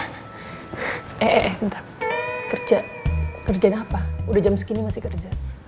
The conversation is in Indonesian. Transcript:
hai eh entar kerja kerjanya apa udah jam segini masih kerja